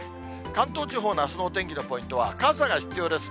関東地方のあすのお天気のポイントは、傘が必要です。